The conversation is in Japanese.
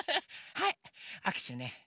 はいあくしゅね。